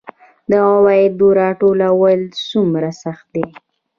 د عوایدو راټولول څومره سخت دي؟